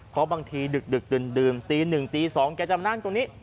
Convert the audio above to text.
เพราะบางทีดึกดื่นตี๑ตี๒แกจะมานั่งตรงนี้